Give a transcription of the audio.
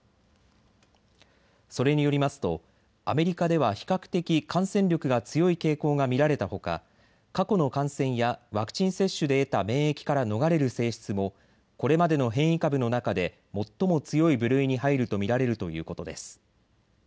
それによりますとアメリカでは比較的、感染力が強い傾向が見られたほか、過去の感染やワクチン接種で得た免疫から逃れる性質もこれまでの変異株の中で最も強い部類に入ると見られるということです。